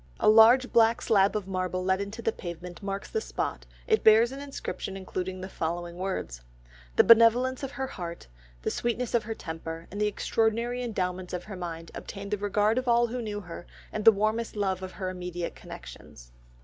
A large black slab of marble let into the pavement marks the spot, it bears an inscription including the following words: "The benevolence of her heart, the sweetness of her temper, and the extraordinary endowments of her mind obtained the regard of all who knew her, and the warmest love of her immediate connexions."